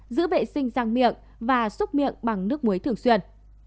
giữ vệ sinh răng miệng và xúc miệng bằng nước muối thường xuyên